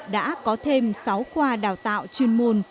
đã có thêm sáu khoa đào tạo chuyên môn